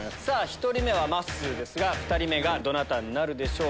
１人目はまっすーですが２人目がどなたになるでしょう？